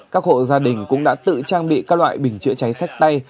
các hộ gia đình cũng đã tự trang bị các loại bình chữa cháy sách tay